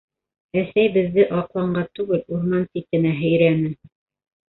Әсәй беҙҙе аҡланға түгел, урман ситенә һөйрәне.